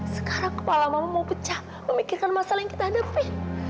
sekarang kepala mama mau pecah memikirkan masalah yang kita hadapi